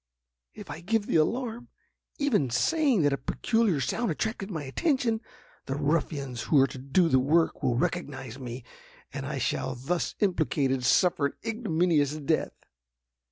"If I give the alarm, even saying that a peculiar sound attracted my attention, the ruffians who are to do the work, will recognize me, and I shall, thus implicated, suffer an ignominious death!